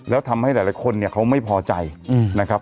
แล้วทำให้หลายคนเนี่ยเขาไม่พอใจนะครับ